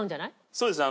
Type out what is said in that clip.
そうですね。